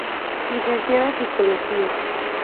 Licenciada en Psicología.